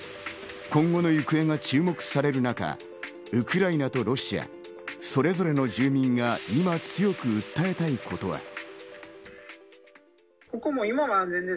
今後の行方が注目される中、ウクライナとロシア、それぞれの住民が今強く訴えたいことは。